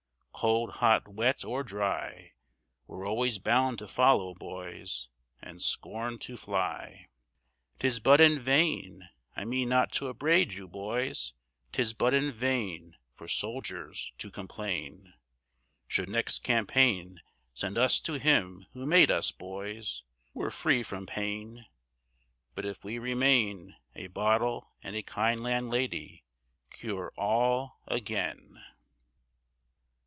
Cold, hot, wet or dry, We're always bound to follow, boys, And scorn to fly! 'Tis but in vain, I mean not to upbraid you, boys, 'Tis but in vain, For soldiers to complain: Should next campaign Send us to him who made us, boys, We're free from pain! But if we remain, A bottle and a kind landlady Cure all again.